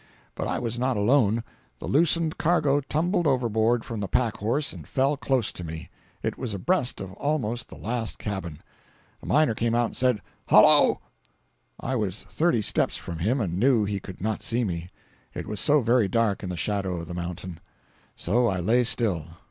But I was not alone—the loosened cargo tumbled overboard from the pack horse and fell close to me. It was abreast of almost the last cabin. A miner came out and said: "Hello!" I was thirty steps from him, and knew he could not see me, it was so very dark in the shadow of the mountain. So I lay still.